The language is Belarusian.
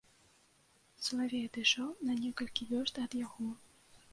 Салавей адышоў на некалькі вёрст ад яго.